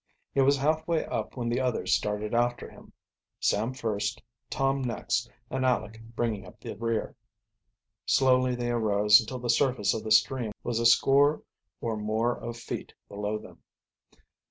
He was halfway up when the others started after him, Sam first, Tom next, and Aleck bringing up in the rear. Slowly they arose until the surface of the stream was a score or more of feet below them.